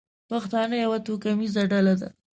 پښتانه یوه توکمیزه ډله ده.